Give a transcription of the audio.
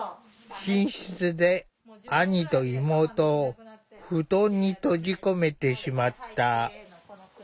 寝室で兄と妹を布団に閉じ込めてしまった。